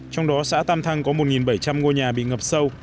trong đó xã tam thăng có một bảy trăm linh ngôi nhà bị ngập sâu